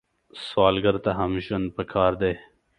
سوالګر ته هم ژوند پکار دی